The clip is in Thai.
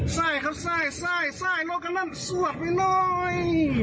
สายครับสายสายรถกระนั้นสวบไปเลย